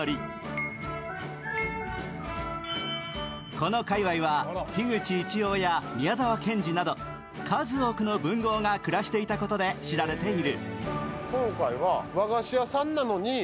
この界隈は樋口一葉や宮沢賢治など数多くの文豪が暮らしていたことで知られている。